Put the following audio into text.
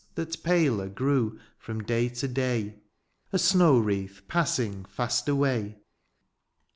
That paler grew from day to day, A snow wreath passing fast away.